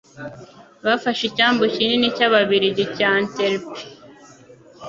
Bafashe icyambu kinini cy'Ababiligi cya Antwerp.